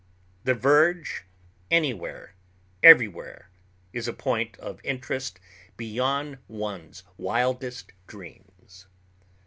The verge anywhere, everywhere, is a point of interest beyond one's wildest dreams.